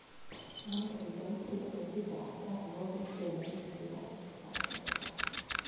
ამ დღიდან ჰიქმეთი დაადგა რევოლუციონერის ხიფათით სავსე გზას.